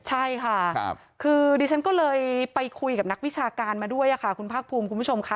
ใช่ค่ะคือดิฉันก็เลยไปคุยกับนักวิชาการมาด้วยค่ะคุณภาคภูมิคุณผู้ชมค่ะ